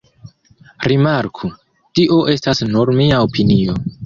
Rimarku: tio estas nur mia opinio.